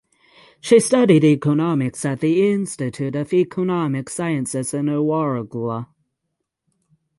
She studied economics at the Institute of Economic Sciences in Ouargla.